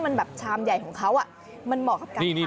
มันแบบชามใหญ่ของเขามันเหมาะกับการทำ